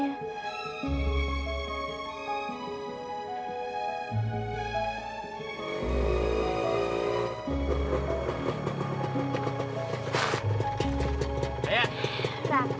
aku juga tahu